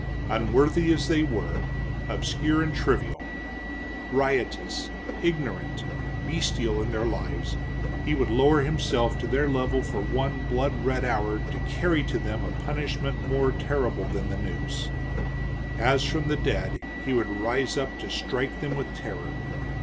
Unworthy as they were, obscure and trivial; riotous, ignorant, bestial in their lives, he would lower himself to their level for one blood red hour to carry to them a punishment more terrible than the noose. As from the dead he would rise up to strike them with terror.